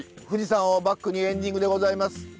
富士山をバックにエンディングでございます。